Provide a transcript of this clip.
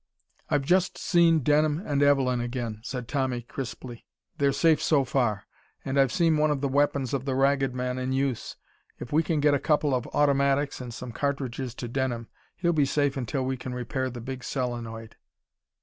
"I've just seen Denham and Evelyn again," said Tommy crisply. "They're safe so far. And I've seen one of the weapons of the Ragged Men in use. If we can get a couple of automatics and some cartridges to Denham, he'll be safe until we can repair the big solenoid."